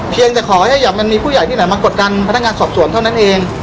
พี่แจงในประเด็นที่เกี่ยวข้องกับความผิดที่ถูกเกาหา